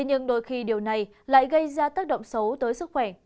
nhưng đôi khi điều này lại gây ra tác động xấu tới sức khỏe